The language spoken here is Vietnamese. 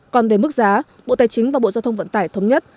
còn về mức giá bộ tài chính và bộ giao thông vận tải thống nhất